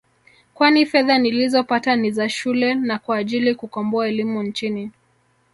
kwani fedha nilizopata ni za shule na kwa ajili kukomboa elimu nchini